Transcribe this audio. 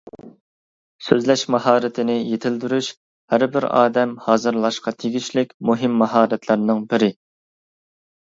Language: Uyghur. سۆزلەش ماھارىتىنى يېتىلدۈرۈش ھەر بىر ئادەم ھازىرلاشقا تېگىشلىك مۇھىم ماھارەتلەرنىڭ بىرى.